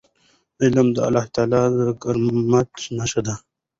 علم د الله تعالی د کرامت نښه ده.